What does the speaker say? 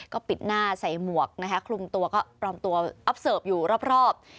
ก็ปิดหน้าใส่หมวกนะคะคลุมตัวก็ปลอมตัวอัพเสิร์ฟอยู่รอบ